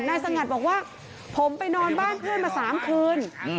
สงัดบอกว่าผมไปนอนบ้านเพื่อนมา๓คืน